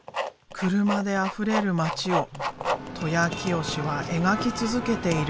車であふれる町を戸舎清志は描き続けている。